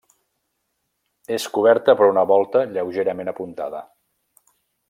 És coberta per una volta lleugerament apuntada.